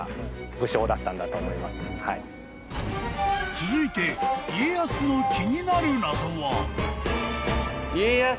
［続いて家康の気になる謎は］